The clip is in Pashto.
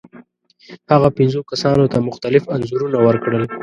هغه پنځو کسانو ته مختلف انځورونه ورکړل.